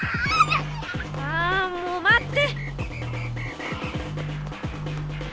あもうまって！